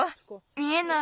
見えない。